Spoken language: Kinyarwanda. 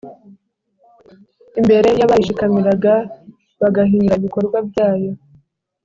imbere y’abayishikamiraga bagahinyura ibikorwa byayo.